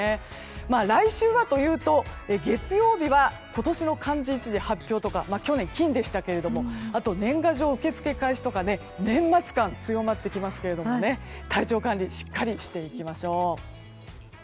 来週はというと月曜日は今年の漢字一字発表とか去年は「金」でしたけどもあとは年賀状の受け付け開始とか年末感が強まってきますが体調管理しっかりしていきましょう。